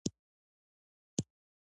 د حقوقو او سیاسي علومو پوهنځي تاریخچه